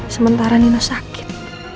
sementara nino sakit